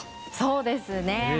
そうですね。